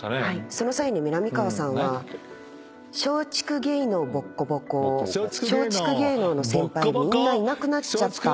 その際にみなみかわさんは「松竹芸能ボッコボコ」「松竹芸能の先輩みんないなくなっちゃった」